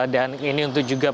dan ini untuk juga menghindari